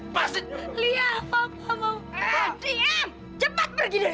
kau tahu yang bisa saya saksikan